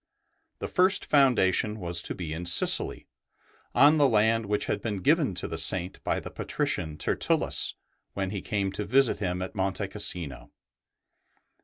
The first foundation was to be in Sicily, on the land which had been given to the Saint by the patrician Tertullus when he came to visit him at Monte Cassino.